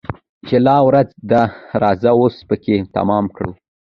چي لا ورځ ده راځه وس پكښي تمام كړو